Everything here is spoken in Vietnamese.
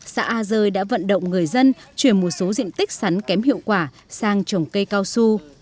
xã a rơi đã vận động người dân chuyển một số diện tích sắn kém hiệu quả sang trồng cây cao su